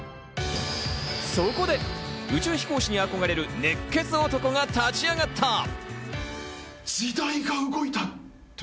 そこで宇宙飛行士に憧れる熱血男が立ち上がった。